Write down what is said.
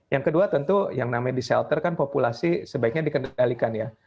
yang kedua tentu yang namanya di shelter kan populasi sebaiknya dikendalikan ya